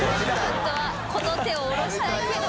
本当はこの手を下ろしたいけど。